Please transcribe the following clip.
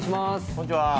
こんにちは